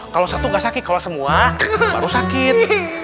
kalau satu nggak sakit kalau semua baru sakit